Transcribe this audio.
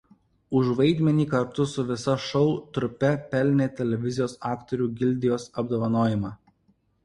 Už vaidmenį kartu su visa šou trupe pelnė televizijos aktorių gildijos apdovanojimą.